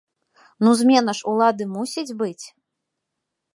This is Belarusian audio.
Ну, змена ж улады мусіць быць.